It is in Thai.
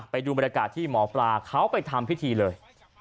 ไปดูบรรยากาศที่หมอปลาเขาไปทำพิธีเลย